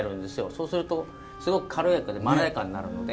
そうするとすごく軽やかでまろやかになるので。